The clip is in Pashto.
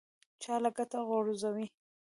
چا له کټه غورځوي.